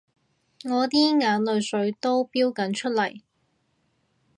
我啲眼淚水都標緊出嚟